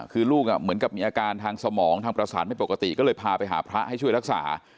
คือลูกเหมือนกับมีอาการทางสมองทางประสานไม่ปกติก็เลยพาไปหาพระให้ช่วยรักษา